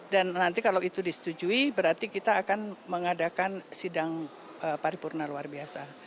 dan nanti kalau itu disetujui berarti kita akan mengadakan sidang paripurna luar biasa